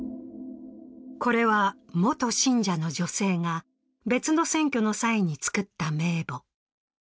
これは元信者の女性が別の選挙の際に作った名簿。